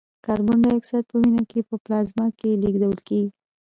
کاربن دای اکساید په وینه کې په پلازما کې لېږدول کېږي.